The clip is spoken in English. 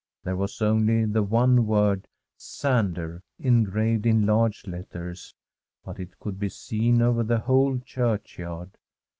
There was only the one word ' Sander,' engraved in large letters, but it could be seen over the whole church yard.